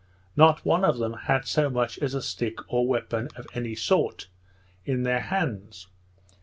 Not one of them had so much as a stick or weapon of any sort in their hands.